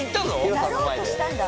なろうとしたんだ。